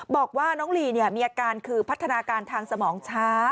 บอกว่าน้องลีมีอาการคือพัฒนาการทางสมองช้า